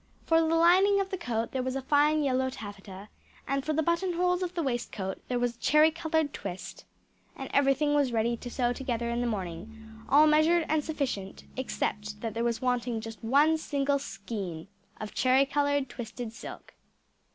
For the lining of the coat there was fine yellow taffeta; and for the button holes of the waistcoat, there was cherry coloured twist. And everything was ready to sew together in the morning, all measured and sufficient except that there was wanting just one single skein of cherry coloured twisted silk.